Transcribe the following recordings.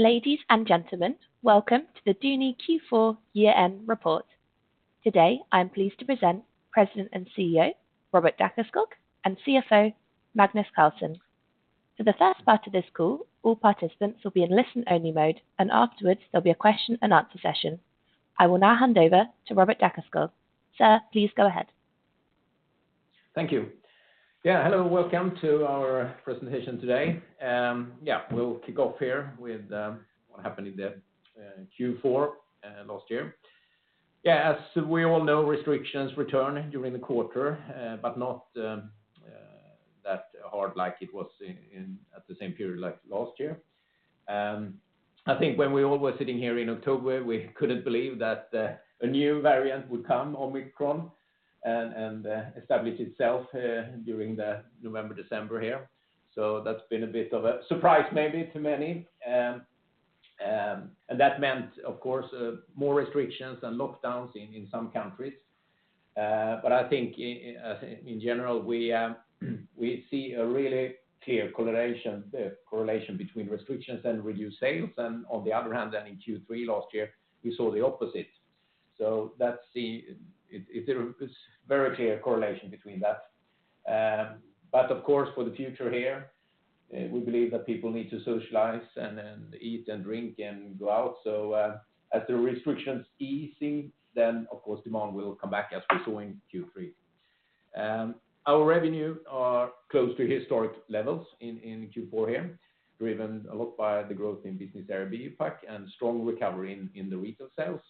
Ladies and gentlemen, welcome to the Duni Q4 Year-End Report. Today, I'm pleased to present President and CEO, Robert Dackeskog, and CFO, Magnus Carlsson. For the first part of this call, all participants will be in listen-only mode, and afterwards, there'll be a question and answer session. I will now hand over to Robert Dackeskog. Sir, please go ahead. Thank you. Hello, welcome to our presentation today. We'll kick off here with what happened in the Q4 last year. As we all know, restrictions returned during the quarter, but not that hard like it was at the same period like last year. I think when we all were sitting here in October, we couldn't believe that a new variant would come, Omicron, and establish itself during the November, December here. That's been a bit of a surprise maybe to many. That meant, of course, more restrictions and lockdowns in some countries. I think in general, we see a really clear correlation between restrictions and reduced sales. On the other hand, then in Q3 last year, we saw the opposite. Let's see if there was very clear correlation between that. Of course, for the future here, we believe that people need to socialize and then eat and drink and go out. As the restrictions easing, then of course, demand will come back as we saw in Q3. Our revenue are close to historic levels in Q4 here, driven a lot by the growth in business area BioPak and strong recovery in the retail sales.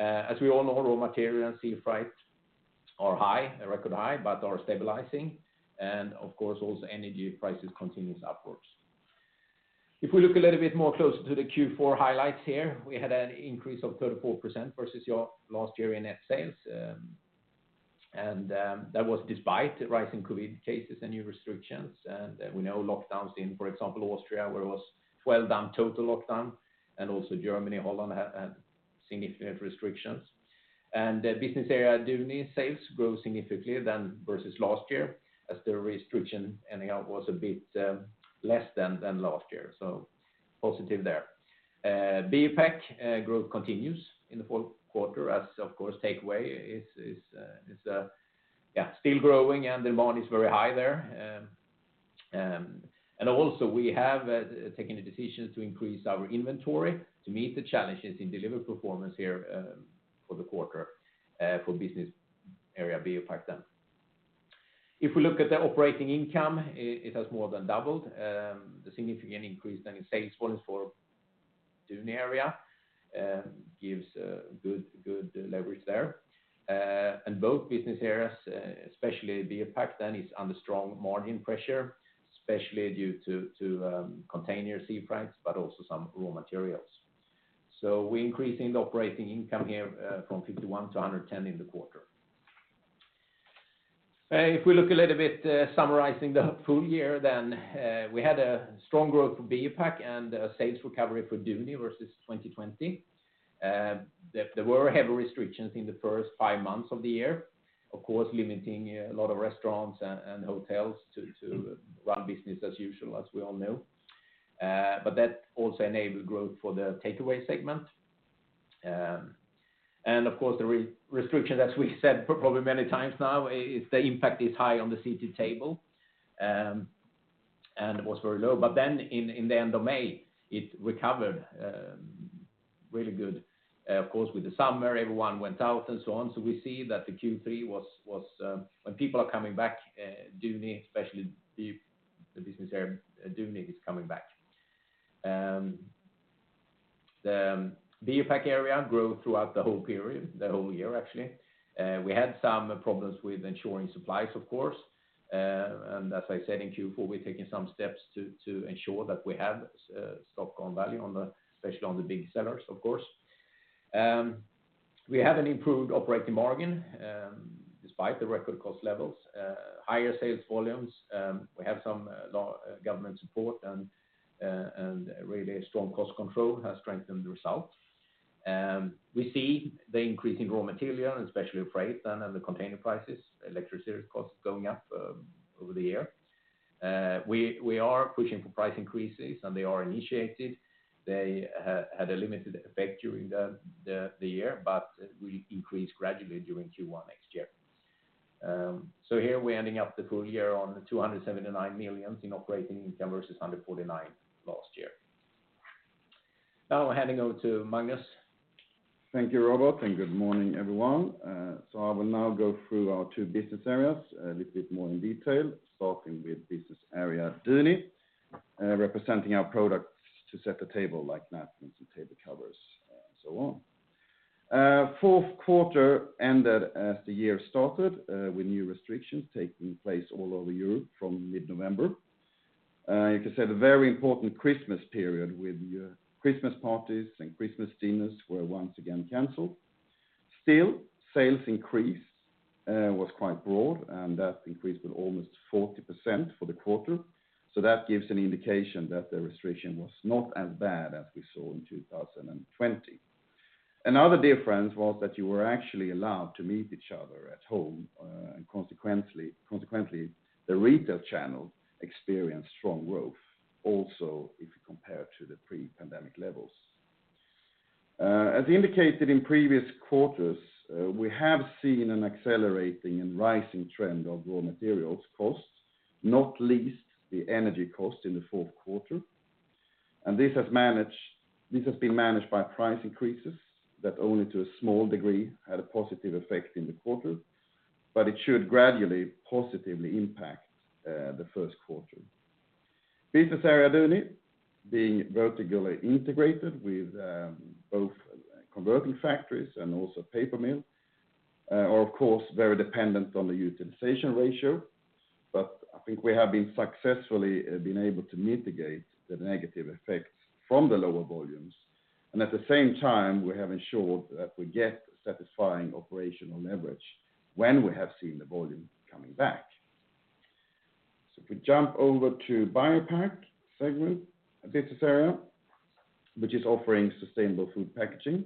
As we all know, raw material and sea freight are high, a record high, but are stabilizing. Of course, also energy prices continues upwards. If we look a little bit more closer to the Q4 highlights here, we had an increase of 34% versus last year in net sales. That was despite rising COVID cases and new restrictions. We know lockdowns in, for example, Austria, where it was 12-day total lockdown, and also Germany, Holland had significant restrictions. The Business Area Duni sales grew significantly more than versus last year as the restrictions ended up being a bit less than last year. Positive there. BioPak growth continues in the fourth quarter as of course, takeaway is still growing and demand is very high there. We have taken a decision to increase our inventory to meet the challenges in delivery performance here for the quarter for Business Area BioPak. If we look at the operating income, it has more than doubled, the significant increase in sales volumes for Duni area gives good leverage there. Both business areas, especially BioPak, is under strong margin pressure, especially due to container sea freights, but also some raw materials. We increasing the operating income here from 51-110 in the quarter. If we look a little bit, summarizing the full year then, we had a strong growth for BioPak and a sales recovery for Duni versus 2020. There were heavy restrictions in the first five months of the year, of course, limiting a lot of restaurants and hotels to run business as usual, as we all know. That also enabled growth for the takeaway segment. Of course, the restriction, as we said probably many times now, is the impact is high on the seat to table and was very low. In the end of May, it recovered really good. Of course, with the summer, everyone went out and so on. We see that the Q3 was when people are coming back, Duni, especially the business area, Duni is coming back. The BioPak area grew throughout the whole period, the whole year, actually. We had some problems with ensuring supplies, of course. As I said, in Q4, we're taking some steps to ensure that we have stock available, especially on the big sellers, of course. We have an improved operating margin despite the record cost levels. Higher sales volumes, we have some loan government support and really strong cost control has strengthened the results. We see the increase in raw material and especially freight and then the container prices, electricity costs going up over the year. We are pushing for price increases, and they are initiated. They had a limited effect during the year, but we increase gradually during Q1 next year. Here we're ending up the full year on 279 million in operating income versus 149 million last year. Now we're handing over to Magnus Carlsson. Thank you, Robert, and good morning, everyone. I will now go through our two business areas a little bit more in detail, starting with Business Area Duni, representing our products to set the table like napkins and table covers and so on. Fourth quarter ended as the year started, with new restrictions taking place all over Europe from mid-November. Like I said, a very important Christmas period with Christmas parties and Christmas dinners were once again canceled. Still, sales increase was quite broad, and that increased with almost 40% for the quarter. That gives an indication that the restriction was not as bad as we saw in 2020. Another difference was that you were actually allowed to meet each other at home, and consequently, the retail channel experienced strong growth also if you compare to the pre-pandemic levels. As indicated in previous quarters, we have seen an accelerating and rising trend of raw materials costs, not least the energy costs in the fourth quarter, and this has been managed by price increases that only to a small degree had a positive effect in the quarter, but it should gradually positively impact the first quarter. Business Area Duni being vertically integrated with both converting factories and also paper mill are of course very dependent on the utilization ratio. I think we have been successfully able to mitigate the negative effects from the lower volumes, and at the same time, we have ensured that we get satisfying operational leverage when we have seen the volume coming back. If we jump over to BioPak segment of business area, which is offering sustainable food packaging,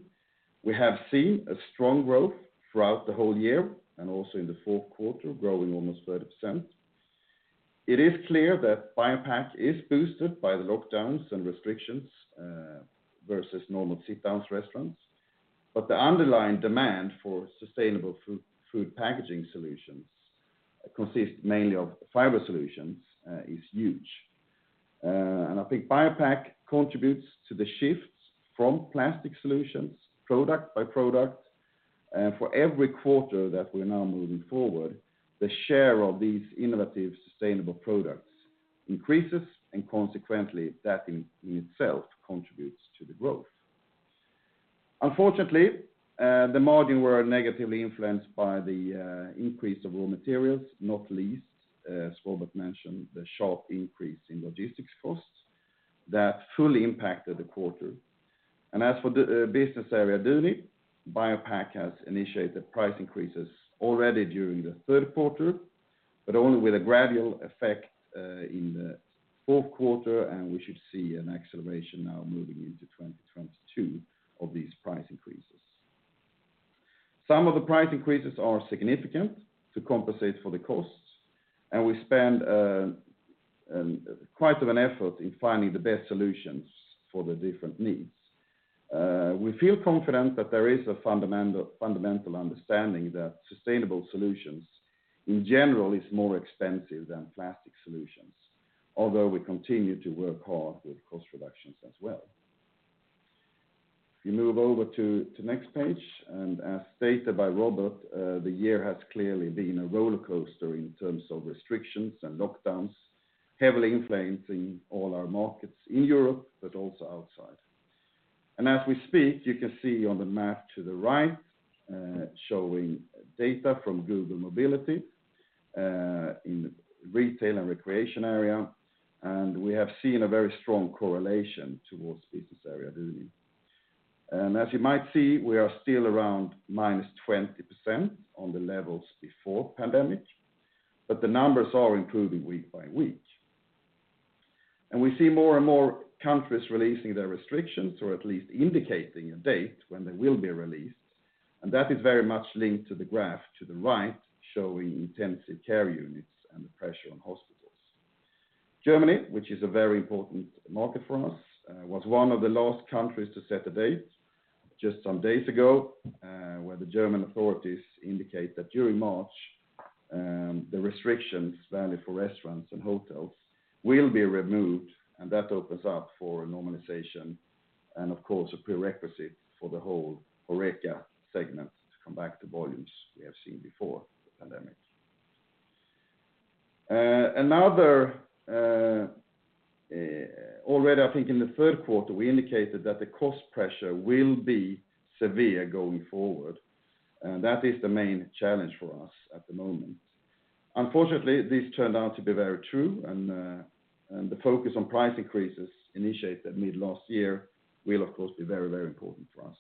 we have seen a strong growth throughout the whole year and also in the fourth quarter, growing almost 30%. It is clear that BioPak is boosted by the lockdowns and restrictions versus normal sit-down restaurants. The underlying demand for sustainable food packaging solutions, consists mainly of fiber solutions, is huge. I think BioPak contributes to the shifts from plastic solutions product by product. For every quarter that we're now moving forward, the share of these innovative, sustainable products increases, and consequently, that in itself contributes to the growth. Unfortunately, the margin were negatively influenced by the increase of raw materials, not least, as Robert mentioned, the sharp increase in logistics costs that fully impacted the quarter. As for the Business Area Duni, BioPak has initiated price increases already during the third quarter, but only with a gradual effect in the fourth quarter, and we should see an acceleration now moving into 2022 of these price increases. Some of the price increases are significant to compensate for the costs, and we spend quite an effort in finding the best solutions for the different needs. We feel confident that there is a fundamental understanding that sustainable solutions in general is more expensive than plastic solutions, although we continue to work hard with cost reductions as well. If we move over to next page, and as stated by Robert, the year has clearly been a roller coaster in terms of restrictions and lockdowns, heavily influencing all our markets in Europe but also outside. As we speak, you can see on the map to the right, showing data from Google Mobility, in the retail and recreation area, and we have seen a very strong correlation towards Business Area Duni. As you might see, we are still around minus 20% on the levels before pandemic, but the numbers are improving week by week. We see more and more countries releasing their restrictions or at least indicating a date when they will be released. That is very much linked to the graph to the right, showing intensive care units and the pressure on hospitals. Germany, which is a very important market for us, was one of the last countries to set a date just some days ago, where the German authorities indicate that during March, the restrictions valid for restaurants and hotels will be removed, and that opens up for a normalization and of course, a prerequisite for the whole HoReCa segment to come back to volumes we have seen before the pandemic. Already I think in the third quarter, we indicated that the cost pressure will be severe going forward, and that is the main challenge for us at the moment. Unfortunately, this turned out to be very true, and the focus on price increases initiated mid last year will of course be very, very important for us.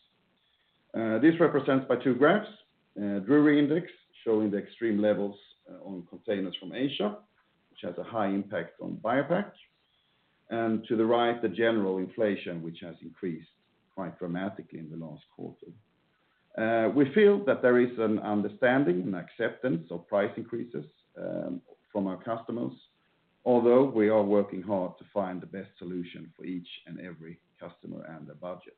This is represented by two graphs, the Drewry Index showing the extreme levels on containers from Asia, which has a high impact on BioPak. To the right, the general inflation, which has increased quite dramatically in the last quarter. We feel that there is an understanding and acceptance of price increases from our customers, although we are working hard to find the best solution for each and every customer and their budgets.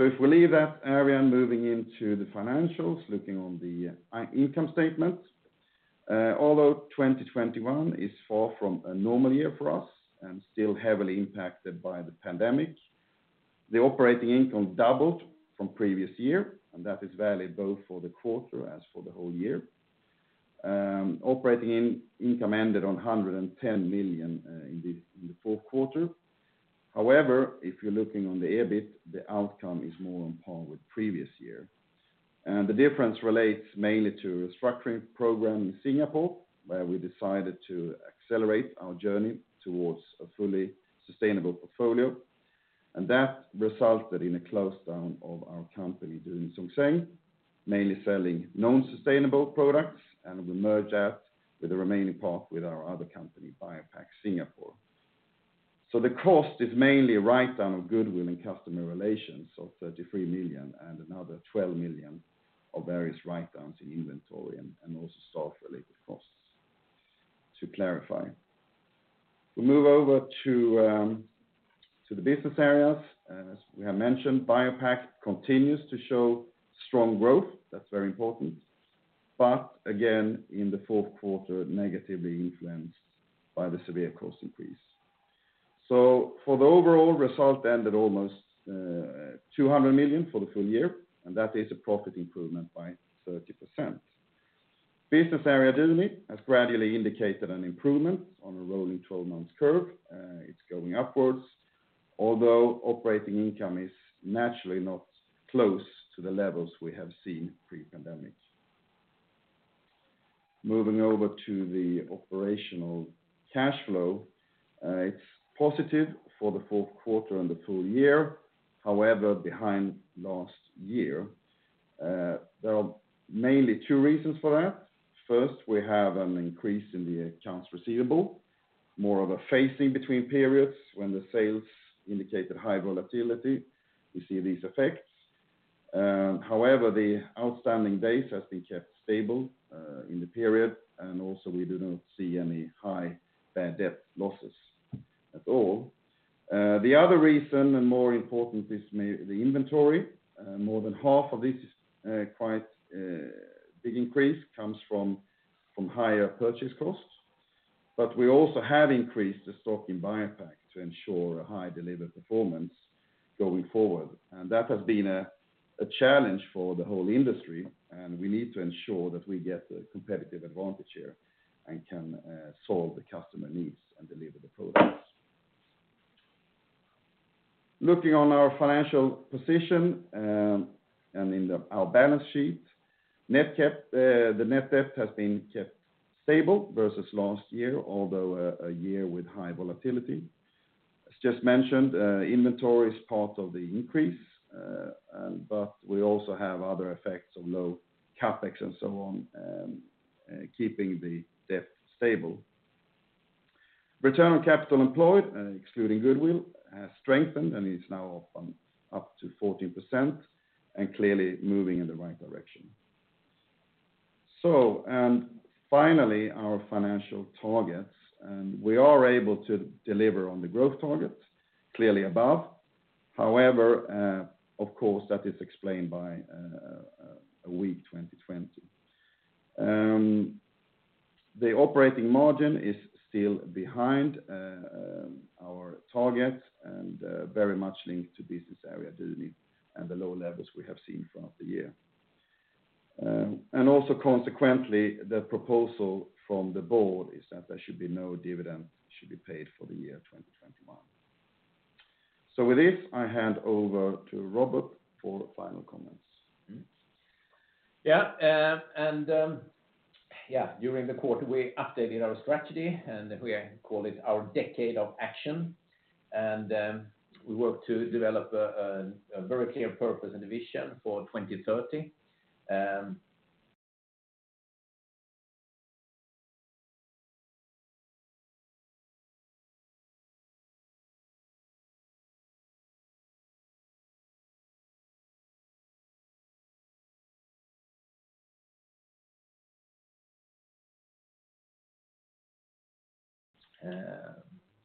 If we leave that area and moving into the financials, looking on the income statement, although 2021 is far from a normal year for us and still heavily impacted by the pandemic, the operating income doubled from previous year, and that is valid both for the quarter as for the whole year. Operating income ended on 110 million in the fourth quarter. However, if you're looking on the EBIT, the outcome is more on par with previous year. The difference relates mainly to restructuring program in Singapore, where we decided to accelerate our journey towards a fully sustainable portfolio, and that resulted in a close down of our company Duni Song Seng mainly selling non-sustainable products, and we merge that with the remaining part with our other company, BioPak Singapore. The cost is mainly a write-down of goodwill and customer relations of 33 million, and another 12 million of various write-downs in inventory and also stock-related costs to clarify. We move over to the business areas. As we have mentioned, BioPak continues to show strong growth. That's very important, again in the fourth quarter negatively influenced by the severe cost increase. For the overall result ended almost 200 million for the full year, and that is a profit improvement by 30%. Business Area Duni has gradually indicated an improvement on a rolling 12-month curve. It's going upwards, although operating income is naturally not close to the levels we have seen pre-pandemic. Moving over to the operational cash flow, it's positive for the fourth quarter and the full year. However, behind last year, there are mainly two reasons for that. First, we have an increase in the accounts receivable, more of a phasing between periods when the sales indicated high volatility, we see these effects. However, the outstanding days has been kept stable in the period, and also we do not see any high bad debt losses at all. The other reason, and more important, is the inventory. More than half of this quite big increase comes from higher purchase costs. But we also have increased the stock in BioPak to ensure a high deliver performance going forward. That has been a challenge for the whole industry, and we need to ensure that we get a competitive advantage here and can solve the customer needs and deliver the products. Looking on our financial position, and in our balance sheet, the net debt has been kept stable versus last year, although a year with high volatility. As just mentioned, inventory is part of the increase, but we also have other effects of low CapEx and so on, keeping the debt stable. Return on capital employed, excluding goodwill, has strengthened and is now up to 14% and clearly moving in the right direction. Finally, our financial targets, and we are able to deliver on the growth target, clearly above. However, of course, that is explained by a weak 2020. The operating margin is still behind our target and very much linked to business area Duni and the lower levels we have seen throughout the year. Also consequently, the proposal from the board is that there should be no dividend paid for the year 2021. With this, I hand over to Robert for final comments. During the quarter, we updated our strategy, and we call it our decade of action. We work to develop a very clear purpose and a vision for 2030.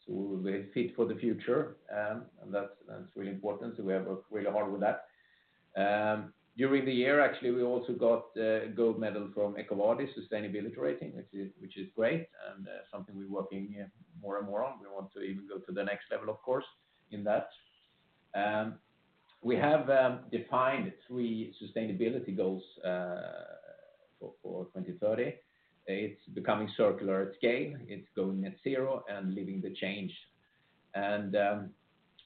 We'll be fit for the future, and that's really important, so we have worked really hard with that. During the year, actually, we also got a gold medal from EcoVadis sustainability rating, which is great and something we're working more and more on. We want to even go to the next level, of course, in that. We have defined three sustainability goals for 2030. It's becoming circular at scale, it's going net zero, and leading the change.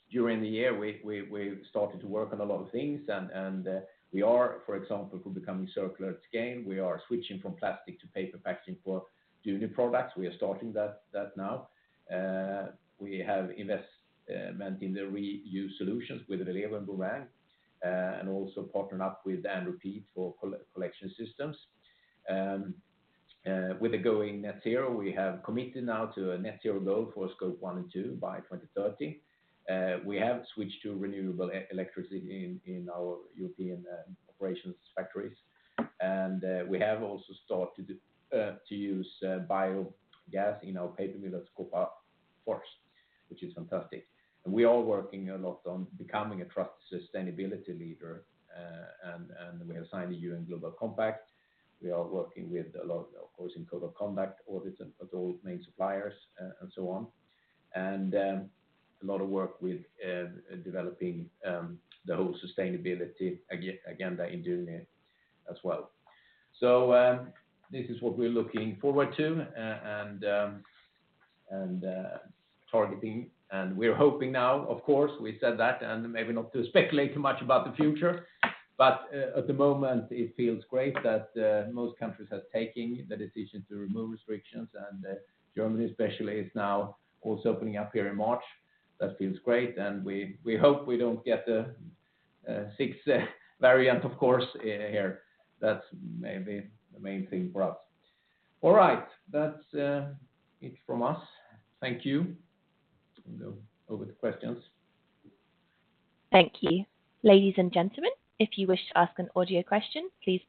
During the year, we started to work on a lot of things, and we are, for example, becoming circular at scale. We are switching from plastic to paper packaging for Duni products. We are starting that now. We have investment in the reuse solutions with Relevo, and also partnering up with &Repeat for collection systems. With going net zero, we have committed now to a net zero goal for scope one and two by 2030. We have switched to renewable electricity in our European operations factories. We have also started to use biogas in our paper mill at Skåpafors, which is fantastic. We are working a lot on becoming a trusted sustainability leader, and we have signed a UN Global Compact. We are working with a lot, of course, in code of conduct audits at all main suppliers and so on. A lot of work with developing the whole sustainability agenda in Duni as well. This is what we're looking forward to and targeting. We're hoping now, of course, we said that, and maybe not to speculate too much about the future, but at the moment, it feels great that most countries have taken the decision to remove restrictions, and Germany especially is now also opening up here in March. That feels great. We hope we don't get a sixth variant, of course, here. That's maybe the main thing for us. All right. That's it from us. Thank you. We'll go over to questions. Our first question is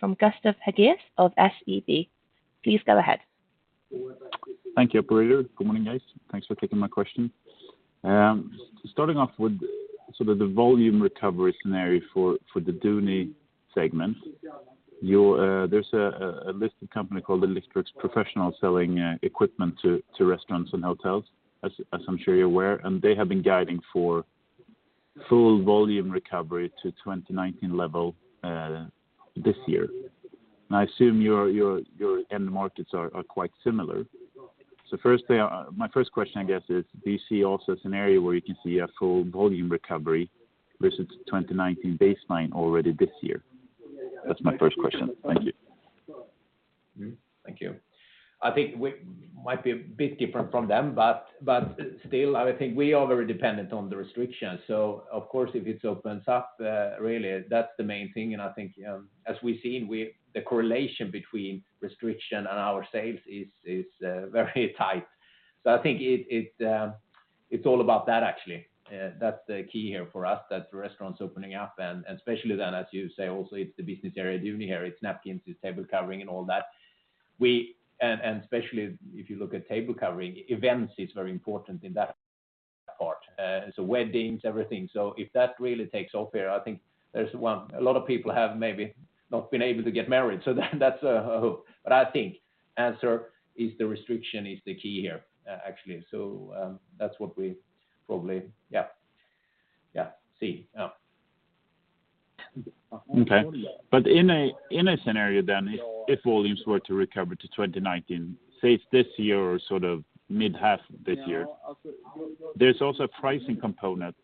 from Gustav Hagéus of SEB. Please go ahead. Thank you, operator. Good morning, guys. Thanks for taking my question. Starting off with sort of the volume recovery scenario for the Duni segment. There's a listed company called Electrolux Professional selling equipment to restaurants and hotels, as I'm sure you're aware, and they have been guiding for full volume recovery to 2019 level this year. I assume your end markets are quite similar. My first question, I guess, is do you see also a scenario where you can see a full volume recovery versus 2019 baseline already this year? That's my first question. Thank you. Thank you. I think we might be a bit different from them, but still, I think we are very dependent on the restrictions. Of course, if it opens up, really, that's the main thing. I think, as we've seen, the correlation between restriction and our sales is very tight. I think it's all about that, actually. That's the key here for us, that the restaurants opening up, and especially then, as you say, also it's the business area of Duni here. It's napkins, it's table covering and all that. Especially if you look at table covering, events is very important in that part. Weddings, everything. If that really takes off here, I think there's one. A lot of people have maybe not been able to get married. That's a hope. But I think answer is the restriction is the key here, actually. That's what we probably yeah see. Yeah. Okay. In a scenario then, if volumes were to recover to 2019, say it's this year or sort of mid-half this year, there's also a pricing component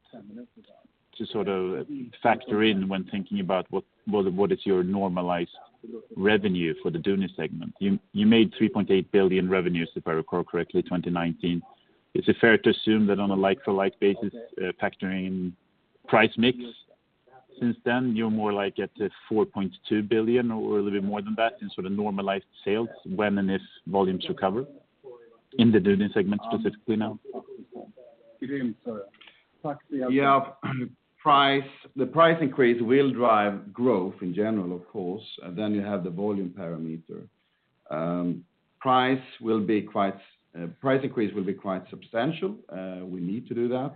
to sort of factor in when thinking about what is your normalized revenue for the Duni segment. You made 3.8 billion in revenues, if I recall correctly, 2019. Is it fair to assume that on a like-for-like basis, factoring price mix, since then, you're more like at 4.2 billion or a little bit more than that in sort of normalized sales when and if volumes recover in the Duni segment specifically now? The price increase will drive growth in general, of course. You have the volume parameter. Price increase will be quite substantial. We need to do that.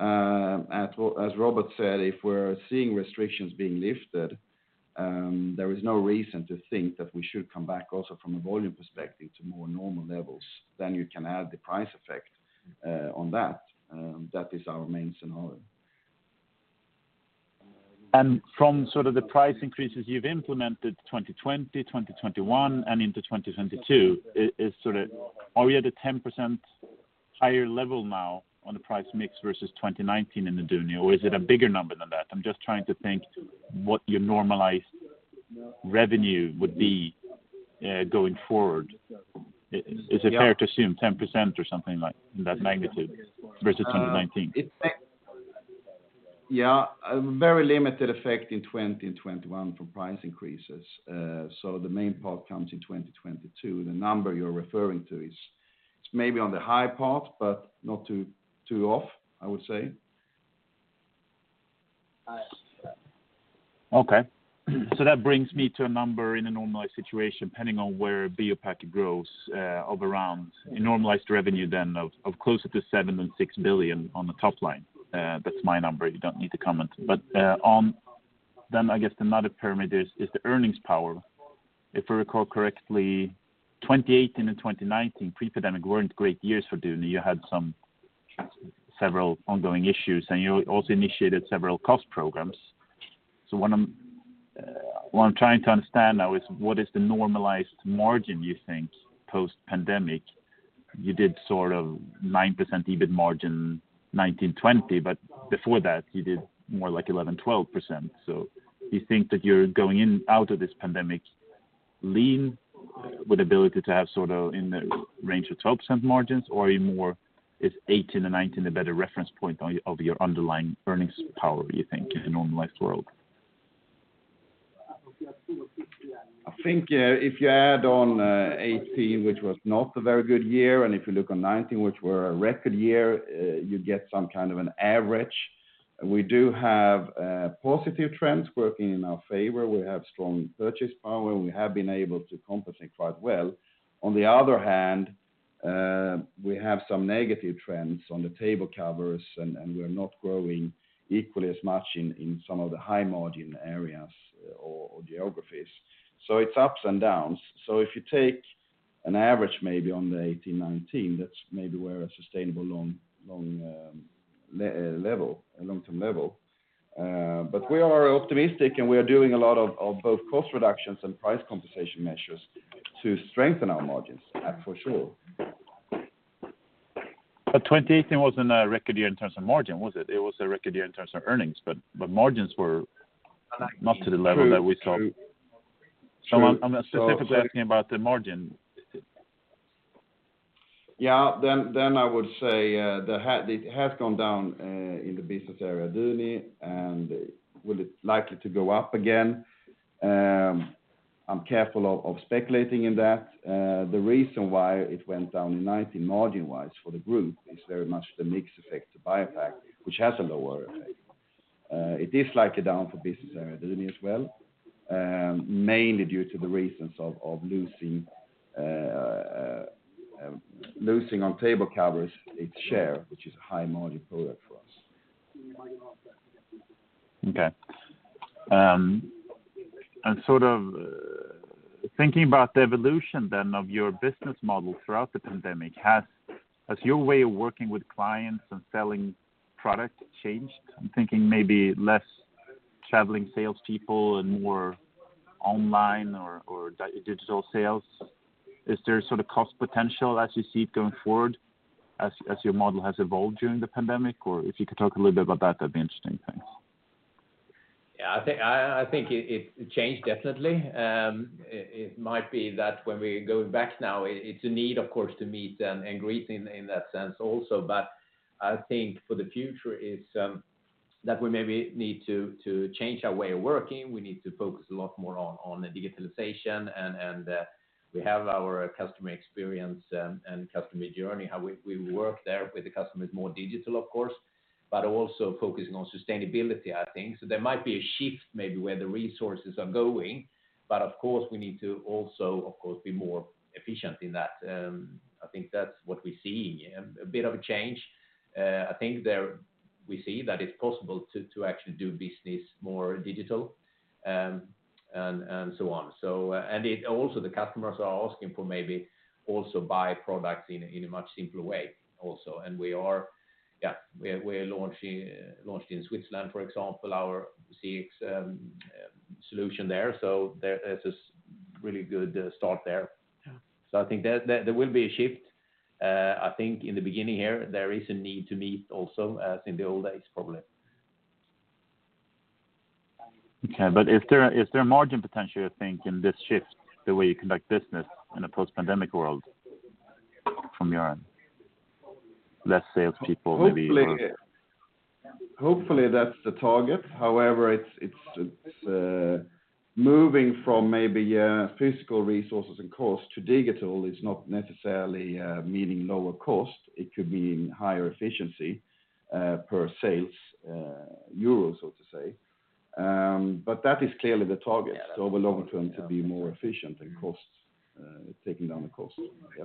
As Robert said, if we're seeing restrictions being lifted, there is no reason to think that we should come back also from a volume perspective to more normal levels. You can add the price effect on that. That is our main scenario. From sort of the price increases you've implemented, 2020, 2021 and into 2022, are we at a 10% higher level now on the price mix versus 2019 in the Duni? Or is it a bigger number than that? I'm just trying to think what your normalized revenue would be, going forward. Is it fair to assume 10% or something like in that magnitude versus 2019? It's a very limited effect in 2020 and 2021 from price increases. The main part comes in 2022. The number you're referring to is maybe on the high part, but not too off, I would say. Okay. That brings me to a number in a normalized situation, depending on where BioPak grows, of around a normalized revenue then of closer to 7.6 billion on the top line. That's my number. You don't need to comment. On... I guess another parameter is the earnings power. If I recall correctly, 2018 and 2019, pre-pandemic, weren't great years for Duni. You had several ongoing issues, and you also initiated several cost programs. What I'm trying to understand now is what is the normalized margin you think post-pandemic? You did sort of 9% EBIT margin 2019, 2020, but before that you did more like 11, 12%. Do you think that you're coming out of this pandemic leaner with ability to have sort of in the range of 12% margins? Is 2018 and 2019 a better reference point of your underlying earnings power, do you think, in a normalized world? I think if you add on 2018, which was not a very good year, and if you look on 2019, which were a record year, you get some kind of an average. We do have positive trends working in our favor. We have strong purchasing power. We have been able to compensate quite well. On the other hand, we have some negative trends on the table covers, and we're not growing equally as much in some of the high margin areas or geographies. It's ups and downs. If you take an average maybe on the 2018, 2019, that's maybe where a sustainable long level, a long-term level. But we are optimistic, and we are doing a lot of both cost reductions and price compensation measures to strengthen our margins, for sure. 2018 wasn't a record year in terms of margin, was it? It was a record year in terms of earnings, but margins were not to the level that we saw. True. I'm specifically asking about the margin. Yeah. I would say it has gone down in the Business Area Duni, and will it likely to go up again? I'm careful of speculating in that. The reason why it went down in 2019 margin-wise for the group is very much the mix effect to BioPak, which has a lower effect. It is likely down for Business Area Duni as well, mainly due to the reasons of losing on table covers its share, which is a high-margin product for us. Okay. Sort of thinking about the evolution then of your business model throughout the pandemic, has your way of working with clients and selling product changed? I'm thinking maybe less traveling salespeople and more online or digital sales. Is there sort of cost potential as you see it going forward as your model has evolved during the pandemic? If you could talk a little bit about that'd be interesting, thanks. Yeah. I think it changed definitely. It might be that when we go back now, it's a need of course to meet and greet in that sense also. I think for the future it's that we maybe need to change our way of working. We need to focus a lot more on the digitalization and we have our customer experience and customer journey, how we work there with the customers more digital of course, but also focusing on sustainability, I think. There might be a shift maybe where the resources are going, but of course, we need to also be more efficient in that. I think that's what we're seeing, a bit of a change. I think there we see that it's possible to actually do business more digital, and so on. It also, the customers are asking for maybe also buy products in a much simpler way also, and we are launching in Switzerland, for example, our CX solution there. There's this really good start there. Yeah. I think there will be a shift. I think in the beginning here, there is a need to meet also as in the old days probably. Okay. Is there margin potential you think in this shift, the way you conduct business in a post-pandemic world from your less salespeople maybe or? Hopefully that's the target. However, moving from maybe physical resources and cost to digital is not necessarily meaning lower cost. It could mean higher efficiency per sales euro, so to say. That is clearly the target, so over longer term to be more efficient and costs taking down the cost. Yeah.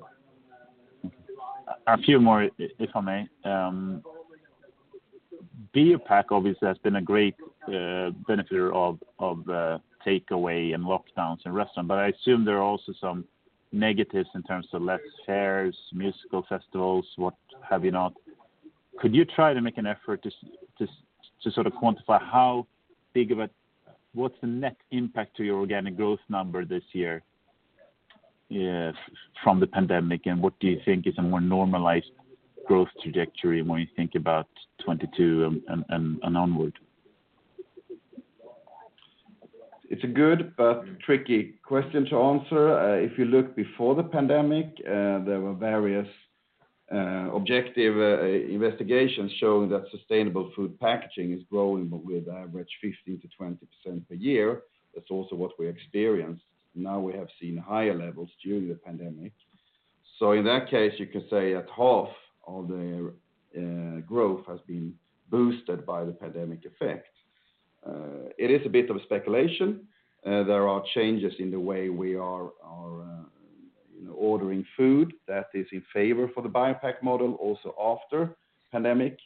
A few more if I may. BioPak obviously has been a great beneficiary of takeaway and lockdowns in restaurant, but I assume there are also some negatives in terms of less fairs, musical festivals, what have you. Could you try to make an effort to sort of quantify how big of a what's the net impact to your organic growth number this year from the pandemic? What do you think is a more normalized growth trajectory when you think about 2022 and onward? It's a good but tricky question to answer. If you look before the pandemic, there were various objective investigations showing that sustainable food packaging is growing with average 15%-20% per year. That's also what we experienced. Now we have seen higher levels during the pandemic. In that case, you could say that half of the growth has been boosted by the pandemic effect. It is a bit of speculation. There are changes in the way we are you know ordering food that is in favor for the BioPak model also after pandemic,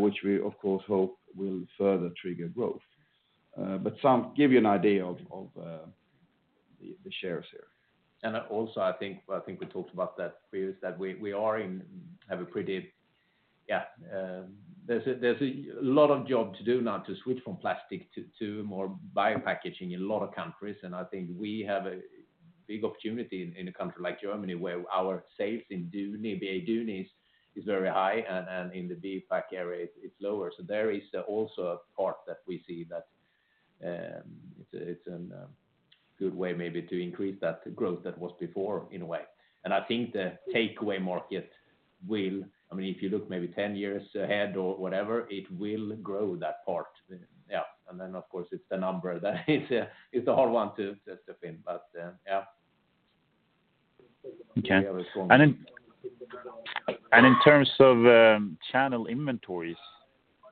which we of course hope will further trigger growth. To give you an idea of the shares here. I think we talked about that previously. There's a lot of work to do now to switch from plastic to more bio packaging in a lot of countries, and I think we have a big opportunity in a country like Germany where our sales in Duni AB, Duni is very high, and in the BioPak area it's lower. There is also a part that we see that it's a good way maybe to increase that growth that was before in a way. I think the takeaway market will, I mean, if you look maybe 10 years ahead or whatever, grow that part. Of course it's the number that it's a hard one to step in. Yeah. Okay. In terms of channel inventories,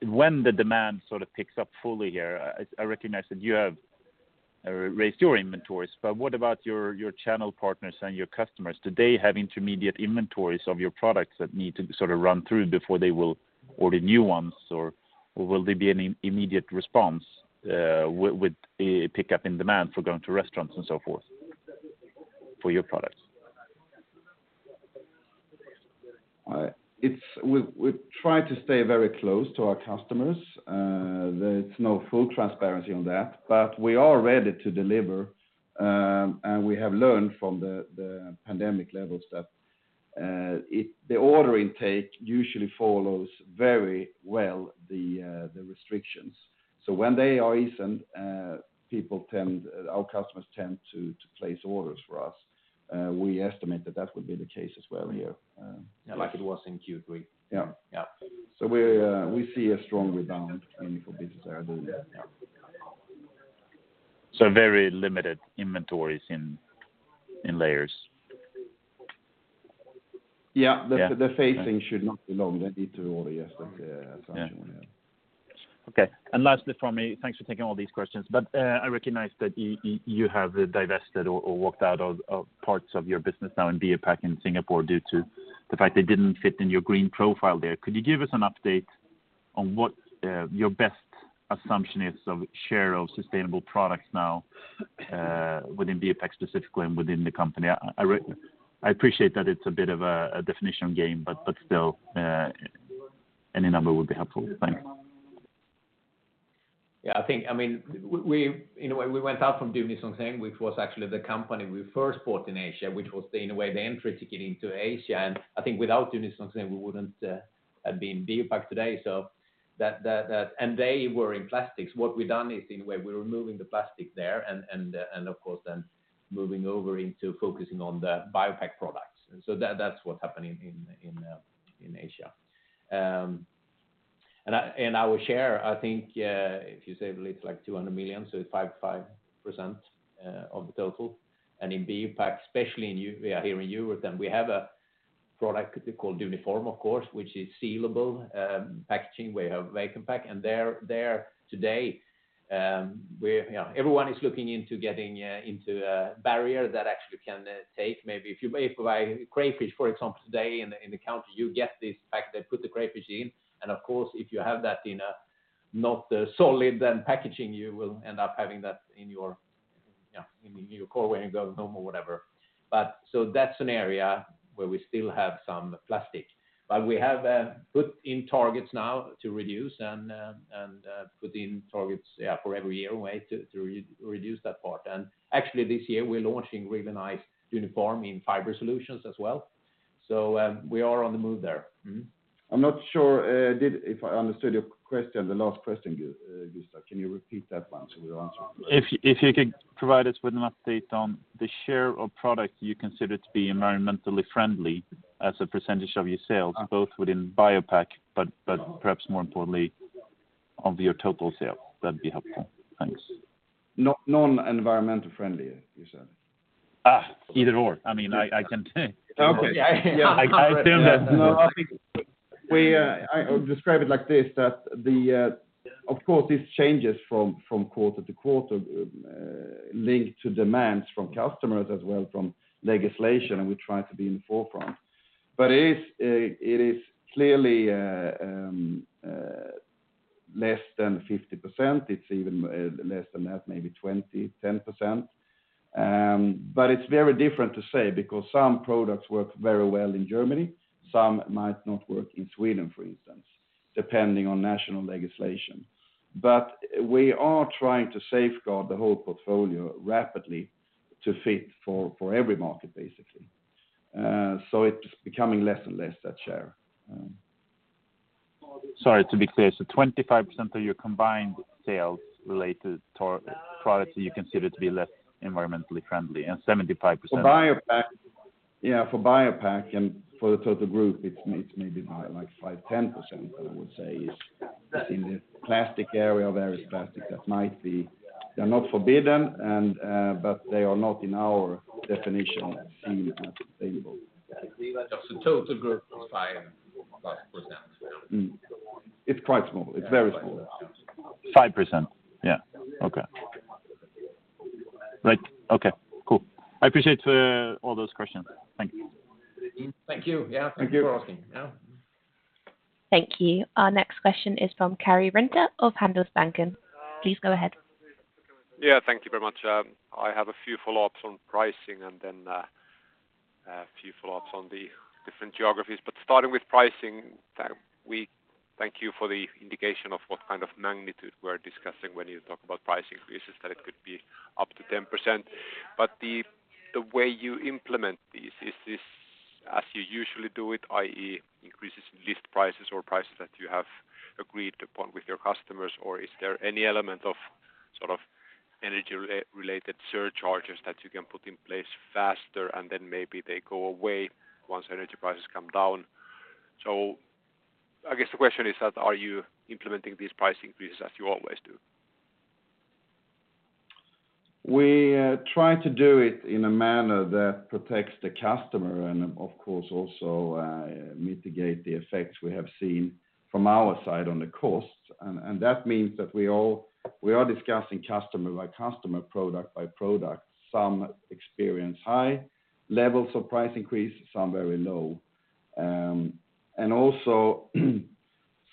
when the demand sort of picks up fully here, I recognize that you have raised your inventories, but what about your channel partners and your customers? Do they have intermediate inventories of your products that need to sort of run through before they will order new ones? Will there be an immediate response, with a pickup in demand for going to restaurants and so forth for your products? We try to stay very close to our customers. There's no full transparency on that, but we are ready to deliver. We have learned from the pandemic levels that the order intake usually follows very well the restrictions. When they are eased, our customers tend to place orders for us. We estimate that would be the case as well here. Yeah, like it was in Q3. Yeah. Yeah. We see a strong rebound, I mean, for business there then, yeah. Very limited inventories in layers. Yeah. Yeah. Okay. The phasing should not be long. They need to order yesterday's assumption, yeah. Yeah. Okay. Lastly from me, thanks for taking all these questions, but I recognize that you have divested or walked out of parts of your business now in BioPak in Singapore due to the fact they didn't fit in your green profile there. Could you give us an update on what your best assumption is of share of sustainable products now within BioPak specifically and within the company? I appreciate that it's a bit of a definition game, but still, any number would be helpful. Thanks. Yeah. I think, I mean, we, in a way, we went out from Duni Song Seng, which was actually the company we first bought in Asia, which was in a way the entry to getting to Asia. I think without Duni Song Seng, we wouldn't have been BioPak today. They were in plastics. What we've done is in a way we're removing the plastic there and of course then moving over into focusing on the BioPak products. That's what's happening in Asia. Our share, I think, if you say it's like 200 million, so it's 5%-5% of the total. In BioPak, especially here in Europe, we have a product called Duniform, of course, which is sealable packaging. We have vacuum pack, and they're there today. We're, you know, everyone is looking into getting into a barrier that actually can take. Maybe if you buy crayfish, for example, today in the country, you get this pack, they put the crayfish in. Of course, if you have that in a not solid-thin packaging, you will end up having that in your, you know, in your car when you go home or whatever. That's an area where we still have some plastic. We have put in targets now to reduce and put in targets, yeah, for every year, a way to reduce that part. Actually, this year, we're launching really nice Duniform in fiber solutions as well. We are on the move there. I'm not sure if I understood your question, the last question, Gustav. Can you repeat that one so we answer? If you could provide us with an update on the share of product you consider to be environmentally friendly as a percentage of your sales, both within BioPak, but perhaps more importantly, of your total sales? That'd be helpful. Thanks. No, non-environmentally friendly, you said? Either or. I mean, I can Okay. Yeah. I assume that. No, I think we, I'll describe it like this, that the, of course, this changes from quarter to quarter, linked to demands from customers as well, from legislation, and we try to be in the forefront. It is clearly less than 50%. It's even less than that, maybe 20, 10%. It's very different to say because some products work very well in Germany, some might not work in Sweden, for instance, depending on national legislation. We are trying to safeguard the whole portfolio rapidly to fit for every market, basically. It's becoming less and less that share. Sorry, to be clear, 25% of your combined sales relate to pro-products that you consider to be less environmentally friendly, and 75% For BioPak and for the total group, it's maybe more like 5%-10%, I would say. It's in the plastic area where there is plastic that might be. They're not forbidden, but they are not in our definition seen as sustainable. Of the total group, 5%. It's quite small. It's very small. 5%? Yeah. Okay. Great. Okay, cool. I appreciate all those questions. Thank you. Thank you. Yeah. Thank you. Thank you for asking. Yeah. Thank you. Our next question is from Karri Rinta of Handelsbanken. Please go ahead. Yeah, thank you very much. I have a few follow-ups on pricing and then, a few follow-ups on the different geographies. Starting with pricing, we thank you for the indication of what kind of magnitude we're discussing when you talk about price increases, that it could be up to 10%. The way you implement this, is this as you usually do it, i.e., increases list prices or prices that you have agreed upon with your customers? Or is there any element of sort of energy-related surcharges that you can put in place faster, and then maybe they go away once energy prices come down? I guess the question is that, are you implementing these price increases as you always do? We try to do it in a manner that protects the customer and of course also mitigate the effects we have seen from our side on the costs. That means that we are discussing customer by customer, product by product. Some experience high levels of price increase, some very low.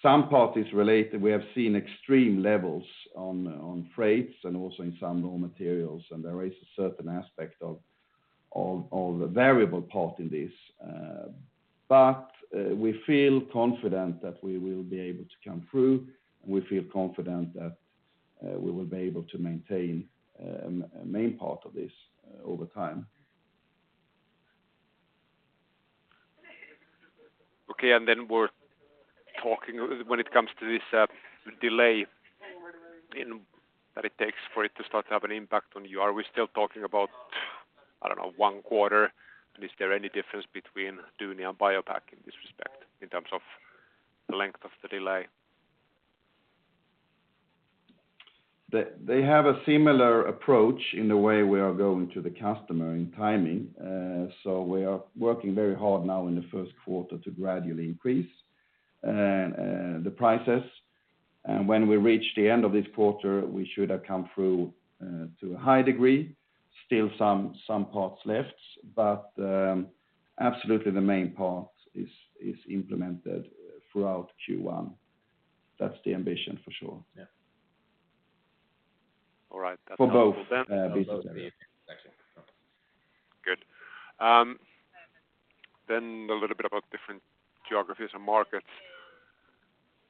Some parties related, we have seen extreme levels on freights and also in some raw materials, and there is a certain aspect of the variable part in this. We feel confident that we will be able to come through, and we feel confident that we will be able to maintain a main part of this over time. Okay. We're talking when it comes to this delay that it takes for it to start to have an impact on you. Are we still talking about, I don't know, one quarter? Is there any difference between Duni and BioPak in this respect in terms of the length of the delay? They have a similar approach in the way we are going to the customer in timing. We are working very hard now in the first quarter to gradually increase the prices. When we reach the end of this quarter, we should have come through to a high degree, still some parts left. Absolutely the main part is implemented throughout Q1. That's the ambition for sure. Yeah. All right. That's helpful then. For both businesses. Good. A little bit about different geographies and markets.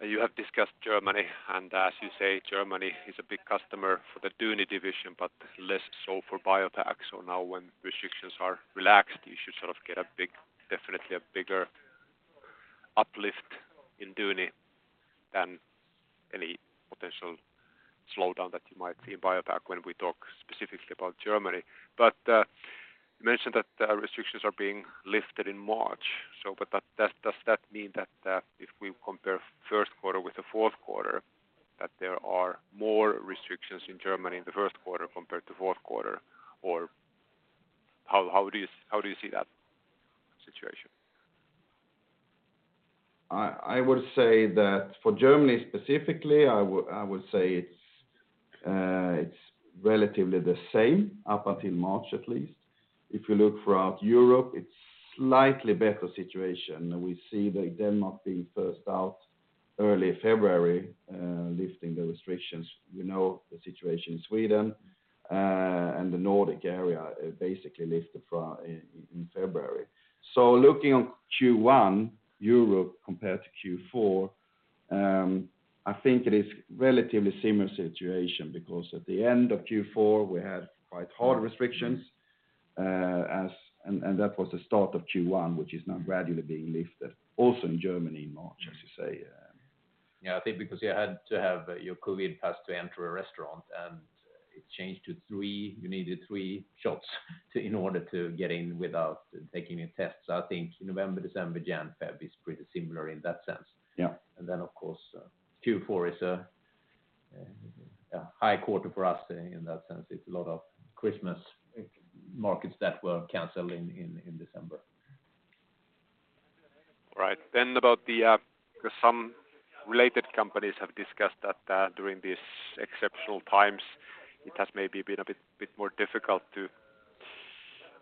You have discussed Germany, and as you say, Germany is a big customer for the Duni division, but less so for BioPak. Now when restrictions are relaxed, you should sort of get a big, definitely a bigger uplift in Duni than any potential slowdown that you might see in BioPak when we talk specifically about Germany. You mentioned that restrictions are being lifted in March. Does that mean that if we compare first quarter with the fourth quarter, that there are more restrictions in Germany in the first quarter compared to fourth quarter? Or how do you see that situation? I would say that for Germany specifically, it's relatively the same up until March, at least. If you look throughout Europe, it's slightly better situation. We see Denmark being first out early February, lifting the restrictions. We know the situation in Sweden, and the Nordic area basically lifted in February. Looking on Q1 Europe compared to Q4, I think it is relatively similar situation because at the end of Q4, we had quite hard restrictions, as that was the start of Q1, which is now gradually being lifted also in Germany in March, as you say. Yeah. Yeah, I think because you had to have your COVID pass to enter a restaurant, and it changed to three, you needed three shots in order to get in without taking a test. I think November, December, January, February is pretty similar in that sense. Yeah. Of course, Q4 is a high quarter for us in that sense. It's a lot of Christmas markets that were canceled in December. All right. About the 'cause some related companies have discussed that during these exceptional times, it has maybe been a bit more difficult to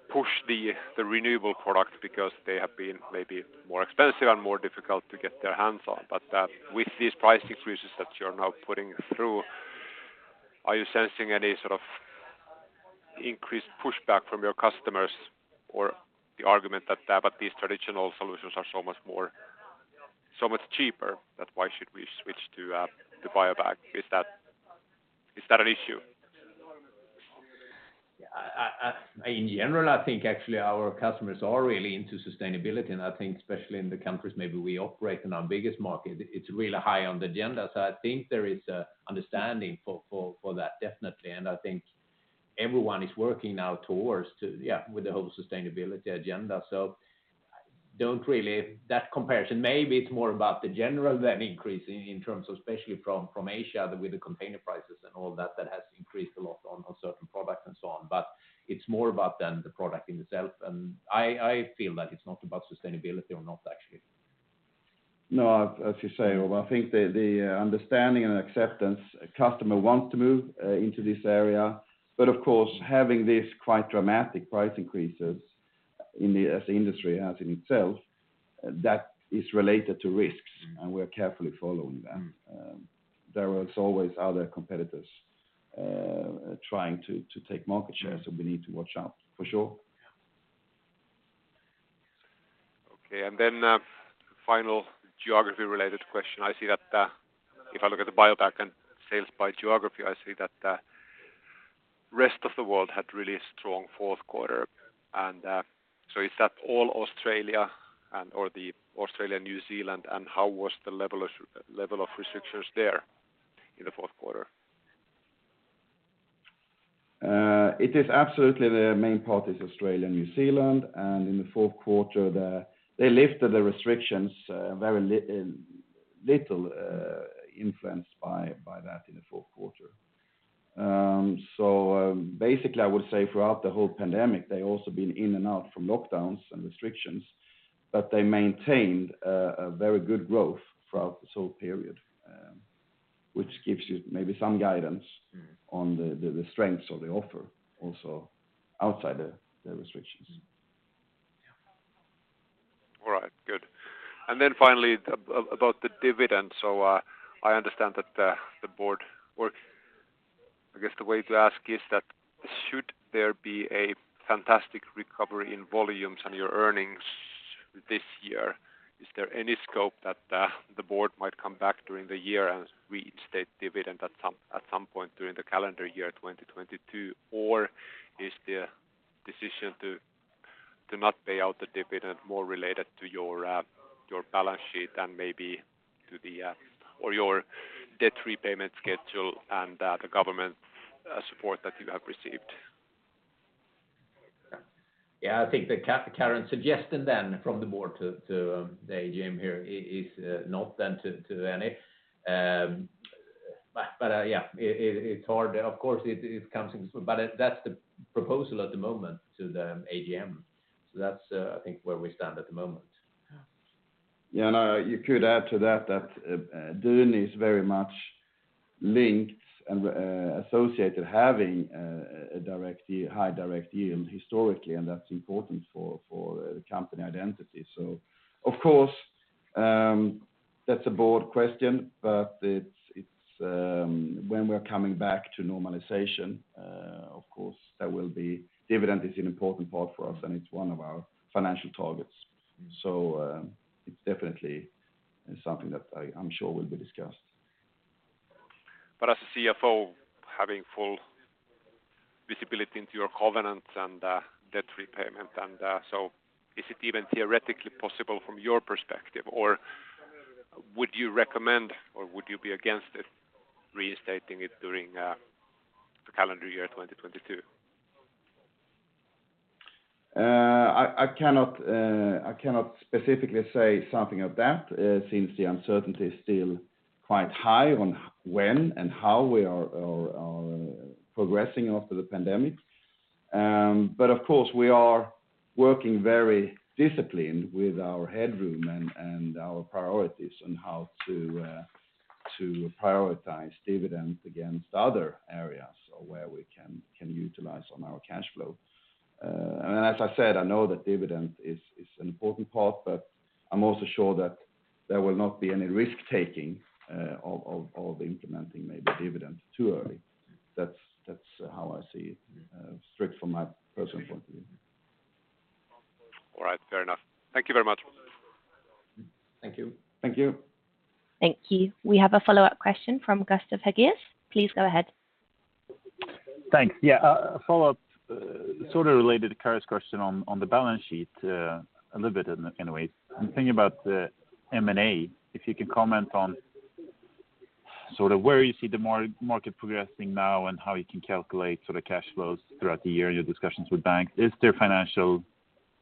push the renewable product because they have been maybe more expensive and more difficult to get their hands on. With these price increases that you're now putting through, are you sensing any sort of increased pushback from your customers or the argument that but these traditional solutions are so much more, so much cheaper that why should we switch to BioPak? Is that an issue? Yeah. In general, I think actually our customers are really into sustainability, and I think especially in the countries maybe we operate in our biggest market, it's really high on the agenda. I think there is an understanding for that, definitely. I think everyone is working now towards the whole sustainability agenda. That comparison, maybe it's more about the general than the increase in terms of especially from Asia with the container prices and all that that has increased a lot on certain products and so on. It's more about that than the product in itself. I feel that it's not about sustainability or not, actually. No, as you say, uncertain, I think the understanding and acceptance customer want to move into this area. Of course, having these quite dramatic price increases as the industry has in itself, that is related to risks, and we're carefully following them. There is always other competitors trying to take market share, so we need to watch out for sure. Yeah. Okay. Final geography related question. I see that if I look at the BioPak and sales by geography, I see that the rest of the world had really strong fourth quarter. Is that all Australia or Australia, New Zealand, and how was the level of restrictions there in the fourth quarter? It is absolutely the main part is Australia, New Zealand, and in the fourth quarter, they lifted the restrictions, very little influence by that in the fourth quarter. So, basically, I would say throughout the whole pandemic, they also been in and out from lockdowns and restrictions, but they maintained a very good growth throughout this whole period, which gives you maybe some guidance on the strengths of the offer also outside the restrictions. Yeah. All right. Good. Finally about the dividend. I understand that the board. I guess the way to ask is that should there be a fantastic recovery in volumes on your earnings this year? Is there any scope that the board might come back during the year and restate dividend at some point during the calendar year 2022? Or is the decision to not pay out the dividend more related to your balance sheet and maybe to the or your debt repayment schedule and the government support that you have received? Yeah. I think the current suggestion then from the board to the AGM here is not then to any. It's hard. Of course, it comes in, but that's the proposal at the moment to the AGM. That's, I think, where we stand at the moment. Yeah. No, you could add to that that Duni is very much linked and associated having a dividend yield, high dividend yield historically, and that's important for the company identity. Of course, that's a board question, but it's when we're coming back to normalization, of course there will be. Dividend is an important part for us, and it's one of our financial targets. It's definitely something that I'm sure will be discussed. As a CFO, having full visibility into your covenants and debt repayment, and so is it even theoretically possible from your perspective, or would you recommend, or would you be against it reinstating it during the calendar year 2022? I cannot specifically say something of that, since the uncertainty is still quite high on when and how we are progressing after the pandemic. Of course, we are working very disciplined with our headroom and our priorities on how to prioritize dividend against other areas or where we can utilize on our cash flow. As I said, I know that dividend is an important part, but I'm also sure that there will not be any risk-taking of implementing maybe dividend too early. That's how I see it, strict from my personal point of view. All right. Fair enough. Thank you very much. Thank you. Thank you. Thank you. We have a follow-up question from Gustav Hagéus. Please go ahead. Thanks. Yeah. A follow-up, sort of related to Karri's question on the balance sheet, a little bit in a way. I'm thinking about M&A. If you could comment on sort of where you see the market progressing now and how you can calculate sort of cash flows throughout the year in your discussions with banks. Is there financial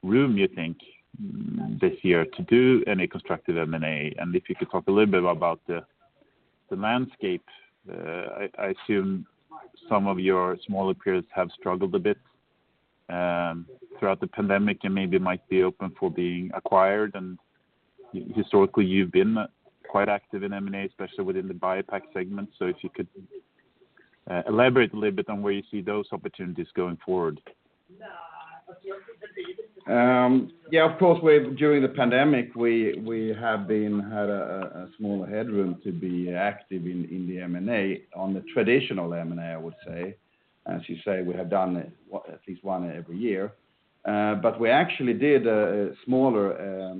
room you think this year to do any constructive M&A? If you could talk a little bit about the landscape. I assume some of your smaller peers have struggled a bit throughout the pandemic and maybe might be open for being acquired. Historically, you've been quite active in M&A, especially within the BioPak segment. If you could elaborate a little bit on where you see those opportunities going forward. Yeah, of course, during the pandemic, we have had a smaller headroom to be active in the M&A on the traditional M&A, I would say. As you say, we have done at least one every year. We actually did a smaller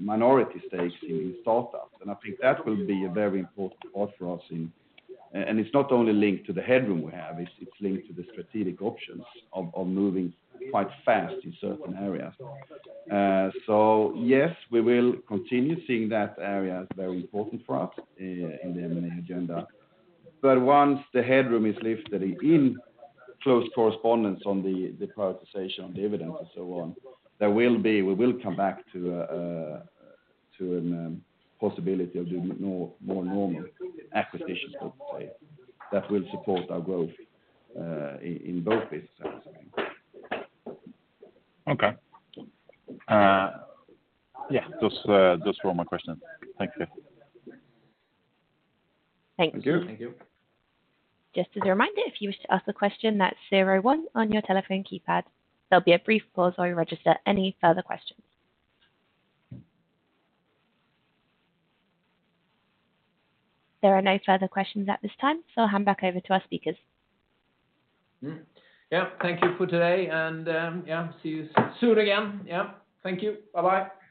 minority stakes in startups, and I think that will be a very important part for us, and it's not only linked to the headroom we have, it's linked to the strategic options of moving quite fast in certain areas. Yes, we will continue seeing that area as very important for us in the M&A agenda. Once the headroom is lifted in close accordance with the prioritization of the investments and so on, we will come back to the possibility of doing more normal acquisitions, let's say, that will support our growth in both businesses, I think. Okay. Yeah. Those were all my questions. Thank you. Thank you. Thank you. Thank you. Just as a reminder, if you wish to ask a question, that's zero one on your telephone keypad. There'll be a brief pause while we register any further questions. There are no further questions at this time, so I'll hand back over to our speakers. Thank you for today, and, yeah, see you soon again. Thank you. Bye-bye.